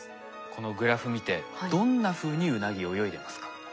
このグラフ見てどんなふうにウナギ泳いでますか？